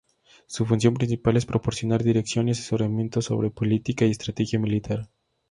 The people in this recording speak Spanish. Su función principal es proporcionar dirección y asesoramiento sobre política y estrategia militar.